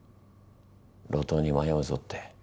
路頭に迷うぞって。